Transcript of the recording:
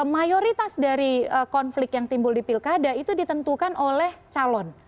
mayoritas dari konflik yang timbul di pilkada itu ditentukan oleh calon